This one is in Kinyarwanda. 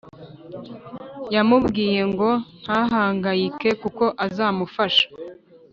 yamubwiye ngo ntahangayike kuko azamufasha